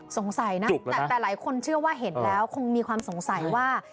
สงสัยนะแต่หลายคนเชื่อว่าเห็นแล้วคงมีความสงสัยว่า